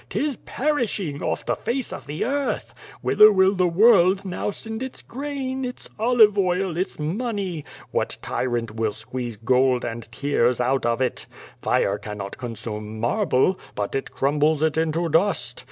" Tis perishing off the face of the earth. Whither will the world now send its grain, its olive oil, its money? What tyrant will squeeze gold and tears out of it? Fire cannot consume marble, but it crumbles it into dust.